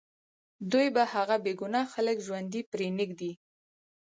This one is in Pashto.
دوی به هغه بې ګناه خلک ژوندي پرېنږدي